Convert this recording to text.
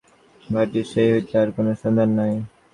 ভাইটির সেই হইতে আর কোন সন্ধান নাই।